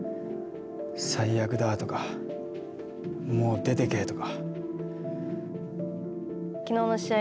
最悪だとか、もう出てけとか。